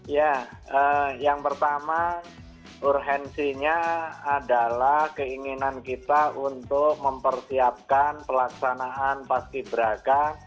ya yang pertama urgensinya adalah keinginan kita untuk mempersiapkan pelaksanaan paski beraka